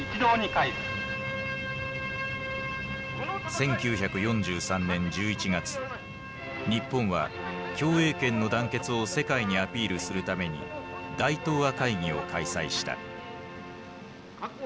１９４３年１１月日本は共栄圏の団結を世界にアピールするために大東亜会議を開催した。